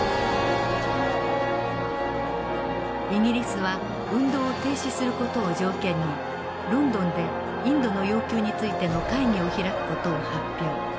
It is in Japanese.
イギリスは運動を停止する事を条件にロンドンでインドの要求についての会議を開く事を発表。